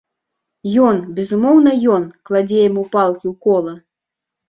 Ён, безумоўна ён, кладзе яму палкі ў кола!